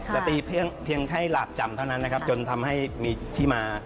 แต่ตีเพียงแค่หลาบจำเท่านั้นนะครับจนทำให้มีที่มา